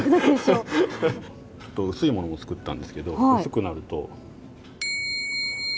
薄いものも作ったんですけど薄くなると。